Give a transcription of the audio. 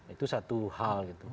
itu satu hal gitu